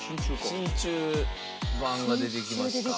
真鍮板が出てきました。